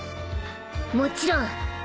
もちろん。